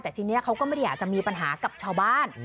แต่ทีนี้เขาก็ไม่ได้อยากจะมีปัญหากับชาวบ้าน